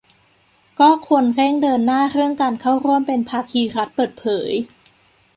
ก็ควรเร่งเดินหน้าเรื่องการเข้าร่วมเป็นภาคีรัฐเปิดเผย